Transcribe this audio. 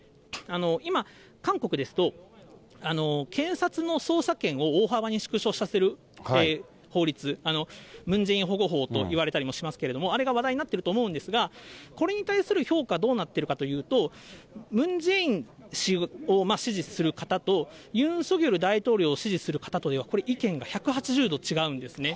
今、韓国ですと、検察の捜査権を大幅に縮小させる法律、ムン・ジェイン保護法といわれたりもしますけれども、あれが話題になってると思うんですが、これに対する評価、どうなっているかというと、ムン・ジェイン氏を支持する方と、ユン・ソギョル大統領を支持する方とでは、これ、意見が１８０度違うんですね。